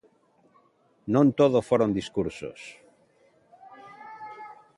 Non todo foron discursos.